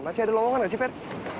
masih ada lowongan nggak sih fer